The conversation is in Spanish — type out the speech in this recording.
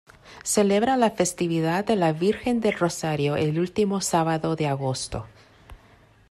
Celebra la festividad de la Virgen del Rosario el último sábado de agosto.